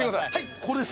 ここです。